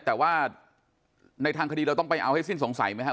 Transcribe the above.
แต่ว่าในทางคดีเราต้องไปเอาให้สิ้นสงสัยไหมครับ